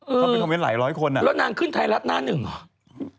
เออเข้าไปทำเวลาหลายร้อยคนอ่ะแล้วนางขึ้นไทยรัฐหน้าหนึ่งหรอ